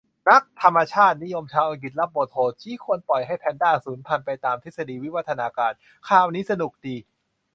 นักธรรมชาตินิยมชาวอังกฤษรับบทโหด ชี้ควรปล่อยให้"แพนดา"สูญพันธุ์ไปตามทฤษฎีวิวัฒนาการ ข่าวนี้สนุกดี